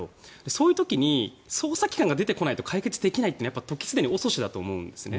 そういう時に捜査機関が出てこないと解決できないというのは時すでに遅しだと思うんですね。